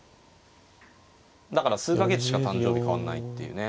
だから数か月しか誕生日変わんないっていうね。